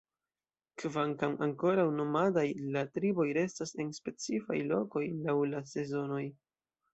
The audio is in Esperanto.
Kvankam ankoraŭ nomadaj, la triboj restas en specifaj lokoj laŭ la sezonoj.